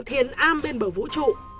thiền am bên bờ vũ trụ